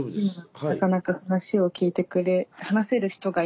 はいなかなか話を聞いてくれ話せる人がいないことで。